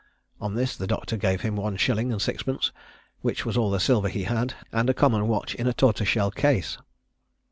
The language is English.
On this the doctor gave him one shilling and sixpence, which was all the silver he had, and a common watch in a tortoise shell case.